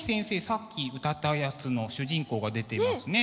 さっき歌ったやつの主人公が出てますね。